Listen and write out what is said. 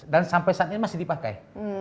dan sampai saat ini masih dipakai